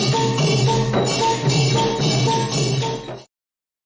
โปรดติดตามต่อไป